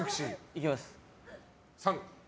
いけます。